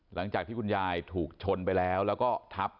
หลังจากที่คุณยายถูกชนไปแล้วแล้วก็ทับ